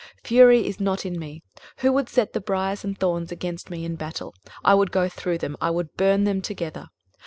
23:027:004 Fury is not in me: who would set the briers and thorns against me in battle? I would go through them, I would burn them together.